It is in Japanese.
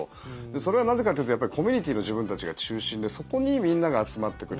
それはなぜかというとコミュニティーの自分たちが中心でそこにみんなが集まってくる。